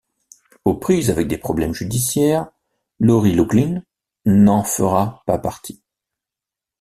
Aux prises avec des problèmes judiciaires, Lori Loughlin n'en fera pas partie.